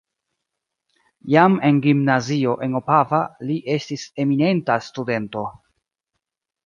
Jam en gimnazio en Opava li estis eminenta studento.